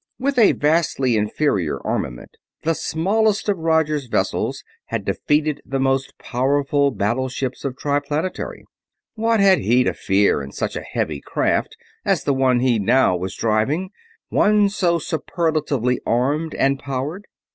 With a vastly inferior armament the smallest of Roger's vessels had defeated the most powerful battleships of Triplanetary; what had he to fear in such a heavy craft as the one he now was driving, one so superlatively armed and powered?